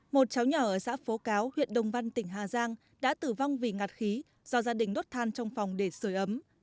một cháu nhỏ ở xã phố cáo huyện đồng văn tỉnh hà giang đã tử vong vì ngạt khí do gia đình đốt than trong phòng để sửa ấm